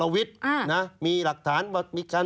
ว่ามีหลักฐานว่ามี